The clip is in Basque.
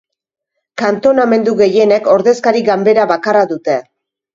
Kantonamendu gehienek ordezkari-ganbera bakarra dute.